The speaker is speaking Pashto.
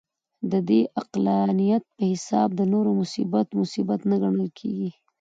د دې عقلانیت په حساب د نورو مصیبت، مصیبت نه ګڼل کېږي.